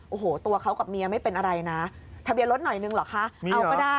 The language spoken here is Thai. โอ้โหตัวเขากับเมียไม่เป็นอะไรนะทะเบียร์รถหน่อยนึงหรอกคะ